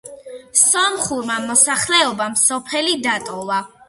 სომხურმა მოსახლეობამ სოფელი დატოვა.